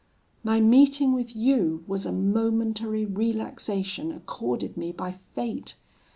My meeting with you was a momentary relaxation accorded me by fate.